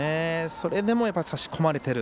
それでも、さし込まれている。